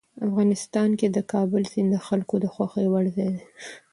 افغانستان کې د کابل سیند د خلکو د خوښې وړ ځای دی.